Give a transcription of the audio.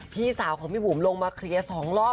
พี่สาวของพี่บุ๋มลงมาเคลียร์๒รอบ